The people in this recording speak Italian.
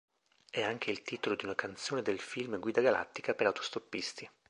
È anche il titolo di una canzone del film "Guida Galattica per Autostoppisti".